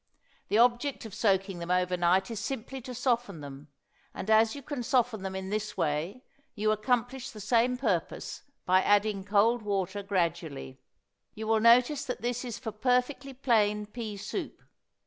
The object of soaking them over night is simply to soften them, and as you can soften them in this way you accomplish the same purpose by adding cold water gradually. You will notice that this is for perfectly plain pea soup.